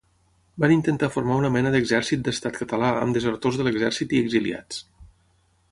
Van intentar formar una mena d'exèrcit d'Estat Català amb desertors de l'exèrcit i exiliats.